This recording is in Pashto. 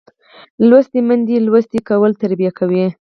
لوستې میندې لوستی کول تربیه کوي